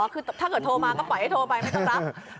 คือถ้าเกิดโทรมาก็ปล่อยให้โทรไปไม่ต้องรับ